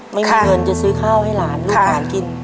ไม่มีเงินจะซื้อข้าวให้หลานลูกหลานกิน